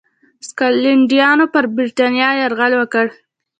سکاټلنډیانو پر برېټانیا یرغل وکړ.